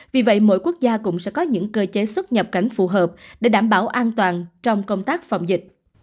vì vậy mỗi quốc gia cũng sẽ có những cơ chế xuất nhập cảnh phù hợp để đảm bảo an toàn trong công tác phòng dịch